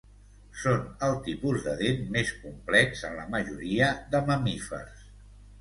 Són el tipus de dent més complex en la majoria de mamífers.